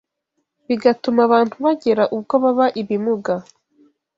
bigatuma abantu bagera ubwo baba ibimuga